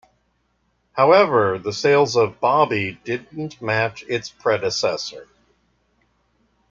However, the sales of "Bobby" didn't match its predecessor.